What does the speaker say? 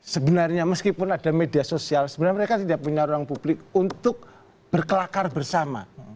sebenarnya meskipun ada media sosial sebenarnya mereka tidak punya ruang publik untuk berkelakar bersama